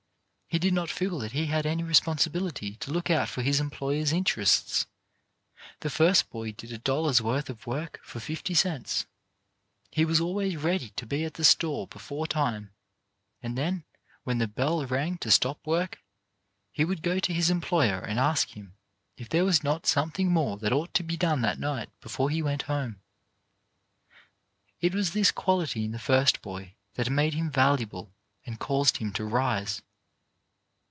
He did not feel that he had any responsibility to look out for his employer's interests. The first boy did a dollar's worth of work for fifty cents. He was always ready to be at the store before time ; and then, when the bell rang to stop work, he would go to his employer and ask him if there was not something more that ought to be done that night before he went home. 212 CHARACTER BUILDING It was this quality in the first boy that made him valuable and caused him to rise.